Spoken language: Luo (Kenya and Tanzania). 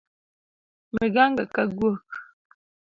Miganga ka guok